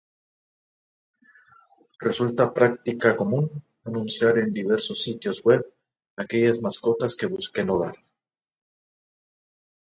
Resulta práctica común anunciar en diversos sitios webs aquellas mascotas que busquen hogar.